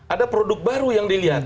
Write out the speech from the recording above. ada produk baru yang dilihat